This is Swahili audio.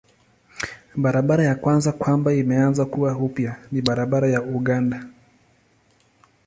Barabara ya kwanza kwamba imeanza kuwa upya ni barabara ya Uganda.